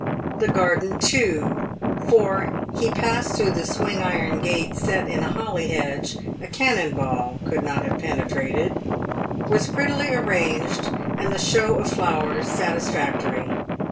The PAVED WITH GOLD. 349 garden, too (for he passed through the swing iron gate set in a holly hedge a cannon ball could not have penetrated), was prettily ar ranged, and the show of flowers satisfactory.